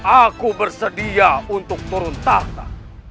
aku bersedia untuk turun tahta